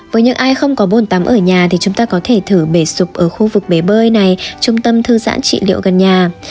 với những ai không có bồn tắm ở nhà thì chúng ta có thể thử bể sụp ở khu vực bể bơi này trung tâm thư giãn trị liệu gần nhà